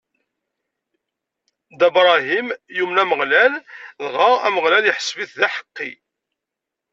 Dda Bṛahim yumen Ameɣlal, dɣa Ameɣlal iḥesb-it d aḥeqqi.